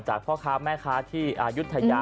จากพ่อค้าแม่ค้าที่ยุทยา